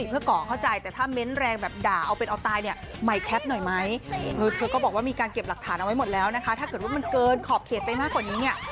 ผ่านเอาไว้หมดแล้วถ้าเกิดว่ามันเกิดขอบเขตไปมากกว่านี้